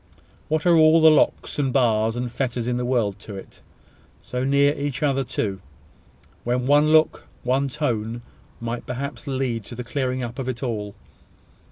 What are all the locks, and bars, and fetters in the world to it? So near each other too! When one look, one tone, might perhaps lead to the clearing up of it all!